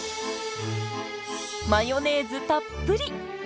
マヨネーズたっぷり！